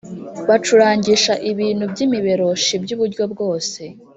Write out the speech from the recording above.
bacurangisha ibintu by’imiberoshi by’uburyo bwose